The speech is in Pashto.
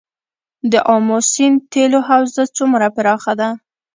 د امو سیند تیلو حوزه څومره پراخه ده؟